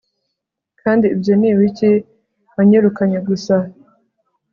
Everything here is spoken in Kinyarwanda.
Kandi ibyo ni ibiki Wanyirukanye gusa